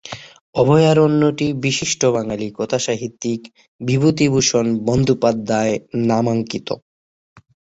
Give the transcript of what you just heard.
অভয়ারণ্যটি বিশিষ্ট বাঙালি কথাসাহিত্যিক বিভূতিভূষণ বন্দ্যোপাধ্যায়ের নামাঙ্কিত।